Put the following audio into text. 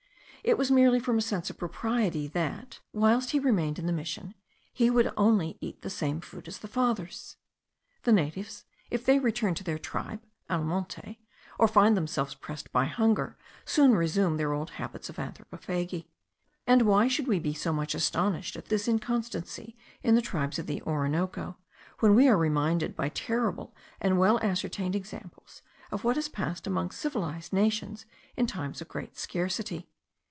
It was merely from a sense of propriety that, whilst he remained in the mission, he would only eat the same food as the Fathers. The natives, if they return to their tribe (al monte), or find themselves pressed by hunger, soon resume their old habits of anthropophagy. And why should we be so much astonished at this inconstancy in the tribes of the Orinoco, when we are reminded, by terrible and well ascertained examples, of what has passed among civilized nations in times of great scarcity?